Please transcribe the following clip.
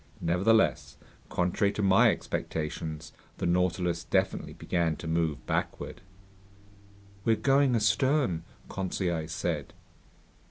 Nevertheless, contrary to my expectations, the Nautilus definitely began to move backward. "We're going astern?" Conseil said.